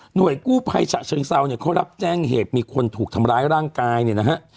โดยกู้ภัยฉะเชิงเซาเนี่ยเขารับแจ้งเหตุมีคนถูกทำร้ายร่างกายเนี่ยนะฮะ